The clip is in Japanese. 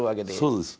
そうです。